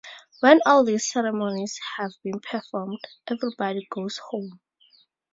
When all these ceremonies have been performed, everybody goes home.